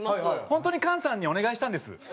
本当に菅さんにお願いしたんです。